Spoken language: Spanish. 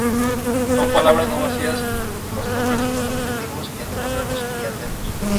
Son palabras no vacías los nombres, los adjetivos y algunos verbos y adverbios.